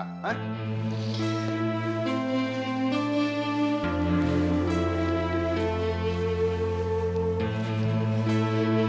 oh apa hitam